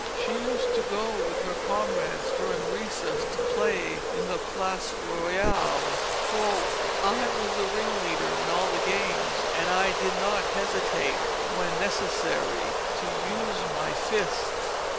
She used to go with her comrades, during recess, to play in the Place Royale. "I was the ring leader in all the games and I did not hesitate, when necessary, to use my fists."